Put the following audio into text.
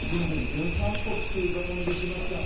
『じゅん散歩』っていう番組で来ました